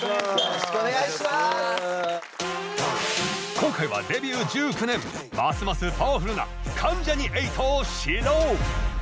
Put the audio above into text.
今回はデビュー１９年。ますますパワフルな関ジャニ∞をシロウ！